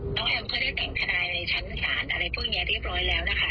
น้องแอมเขาได้แต่งขนายทางศาลอะไรพวกนี้เรียบร้อยแล้วนะคะ